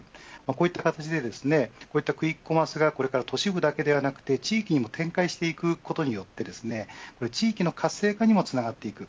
こういった形でクイックコマースが都市部だけではなく地域にも展開していくことによって地域の活性化にもつながっていく。